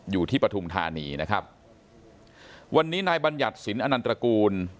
อยู่ที่ปฐุมธานีนะครับวันนี้นายบรรยัติสินอนันตรกูล